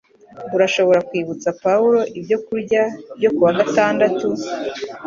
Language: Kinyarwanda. Urashobora kwibutsa Pawulo ibyokurya byo kuwa gatandatu?